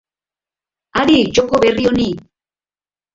Adi joko berri honi!